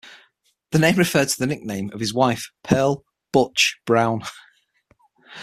The name referred to the nickname of his wife, Pearl "Butch" Brown.